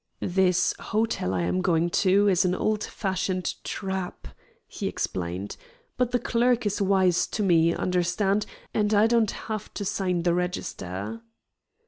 "This hotel I am going to is an old fashioned trap," he explained, "but the clerk is wise to me, understand, and I don't have to sign the register."